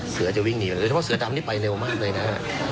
เสือจะวิ่งหนีกันเลยเพราะเสือดำนี้ไปเร็วมากเลยนะ